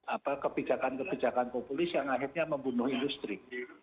apa kebijakan kebijakan populis yang akhirnya membunuh industri